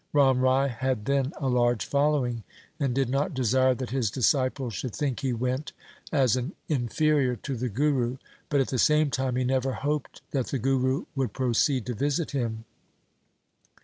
Ram Rai had then a large following, and did not desire that his disciples should think he went as an inferior to the Guru, but at the same time he never hoped that the Guru would proceed to visit him.